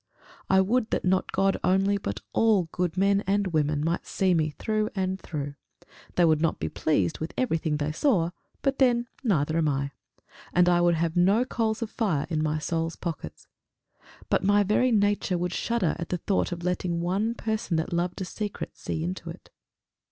I would that not God only but all good men and women might see me through and through. They would not be pleased with everything they saw, but then neither am I, and I would have no coals of fire in my soul's pockets! But my very nature would shudder at the thought of letting one person that loved a secret see into it.